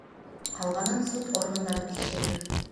Ҡалғанын суд органдары тикшерер.